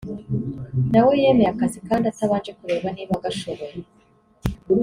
na we yemeye akazi kandi atabanje kureba niba agashoboye